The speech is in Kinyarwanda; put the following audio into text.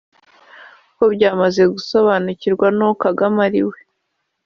kuko byamaze gusobanukirwa n’uwo Kagame ari we